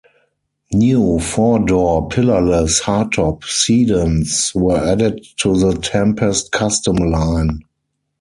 New four-door pillarless hardtop sedans were added to the Tempest Custom line.